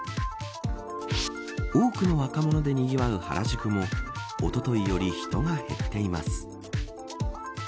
多くの若者で、にぎわう原宿もおとといより人が減っています。